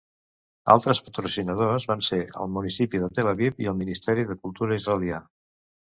Altres patrocinadors van ser el Municipi de Tel Aviv i el Ministeri de Cultura israelià.